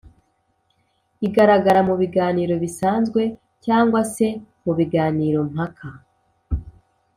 igaragara mu biganiro bisanzwe cyangwa se mu biganiro mpaka